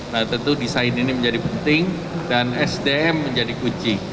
nah tentu desain ini menjadi penting dan sdm menjadi kunci